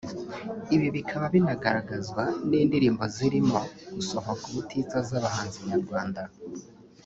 Ibi bikaba binagaragazwa n’indirimbo zirimo gusohoka ubutitsa z’abahanzi nyarwanda